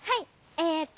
えっとね。